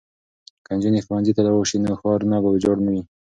که نجونې ښوونځي ته لاړې شي نو ښارونه به ویجاړ نه وي.